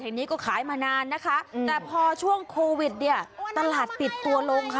อย่างนี้ก็ขายมานานนะคะแต่พอช่วงโควิดเนี่ยตลาดปิดตัวลงค่ะ